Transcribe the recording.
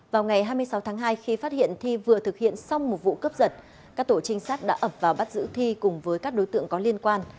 vào ngày hai mươi sáu tháng hai khi phát hiện thi vừa thực hiện xong một vụ cướp giật các tổ trinh sát đã ập vào bắt giữ thi cùng với các đối tượng có liên quan